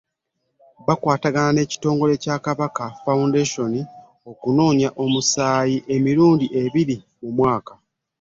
Baakwatagana n'ekitongole kya Kabaka Foundation okunoonya omusaayi emirundi ebiri mu mwaka.